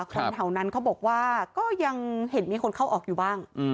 คนแถวนั้นเขาบอกว่าก็ยังเห็นมีคนเข้าออกอยู่บ้าง